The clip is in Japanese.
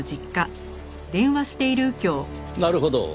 なるほど。